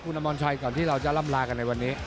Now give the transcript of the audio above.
คุณอมรชัยก่อนที่เราจะล่ำลากันในวันนี้